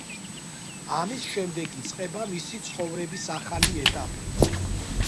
ამის შემდეგ იწყება მისი ცხოვრების ახალი ეტაპი.